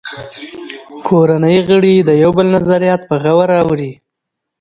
کورنۍ غړي د یو بل نظریات په غور اوري